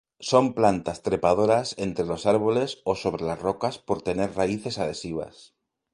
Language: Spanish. Son plantas trepadoras entre los árboles o sobre las rocas por tener raíces adhesivas.